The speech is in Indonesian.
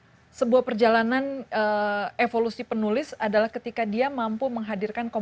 jadi bagi saya sebuah perjalanan evolusi penulis adalah ketika dia mampu menghadirkan kata kata